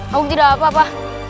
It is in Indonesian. aku tidak apa apa